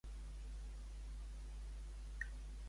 Bases per a una solució han tingut lloc a avui Bilbao.